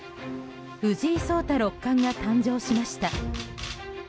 藤井聡太六冠が誕生しました。